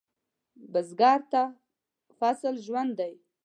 بزګر ته فصل ژوند دی